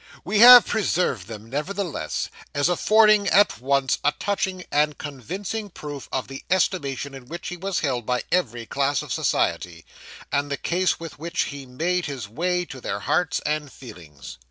We have preserved them, nevertheless, as affording at once a touching and a convincing proof of the estimation in which he was held by every class of society, and the ease with which he made his way to their hearts and feelings.